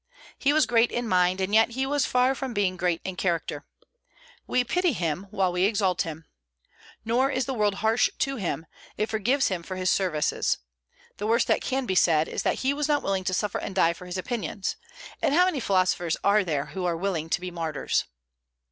He was great in mind, and yet he was far from being great in character. We pity him, while we exalt him. Nor is the world harsh to him; it forgives him for his services. The worst that can be said, is that he was not willing to suffer and die for his opinions: and how many philosophers are there who are willing to be martyrs?